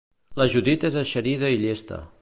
La Judit és eixerida i llesta.